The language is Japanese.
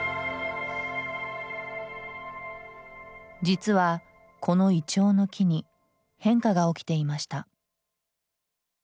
実はこのイチョウの木に変化が起きていました。